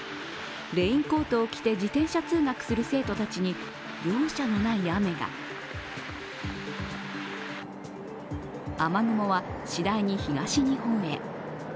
レインコートを着て自転車通学する生徒たちに容赦のない雨が雨雲は次第に東日本へ。